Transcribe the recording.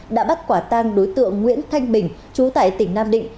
đã bắt quả tang đối tượng nguyễn thanh bình chú tại tỉnh nam định